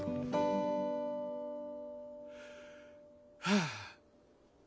ああ。